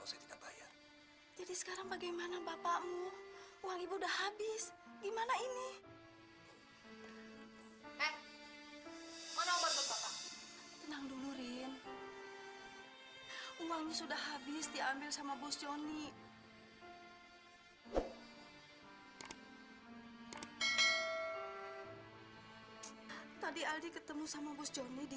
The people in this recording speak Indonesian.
sampai jumpa di video selanjutnya